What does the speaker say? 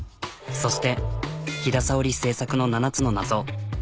そしてきださおり制作の７つの謎。